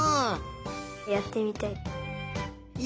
やってみたい。